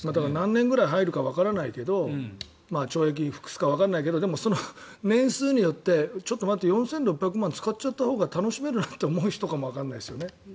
何年ぐらい入るか懲役に服すかわからないけど年数によってちょっと待って４６００万円使っちゃったら楽しめるなって思う人かもわからないですよね。